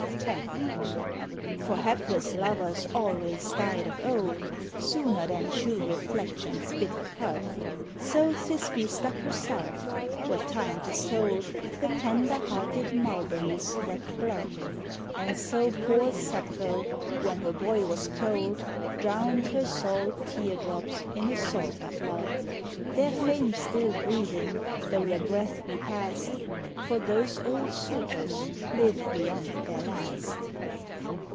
X. For hapless lovers always died of old, Sooner than chew reflection's bitter cud; So Thisbe stuck herself, what time 'tis told, The tender hearted mulberries wept blood; And so poor Sappho when her boy was cold, Drown'd her salt tear drops in a salter flood, Their fame still breathing, tho' their breath be past, For those old suitors lived beyond their last.